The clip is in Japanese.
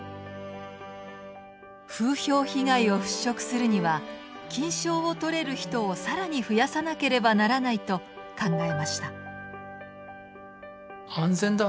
風評被害を払しょくするには金賞をとれる人を更に増やさなければならないと考えました。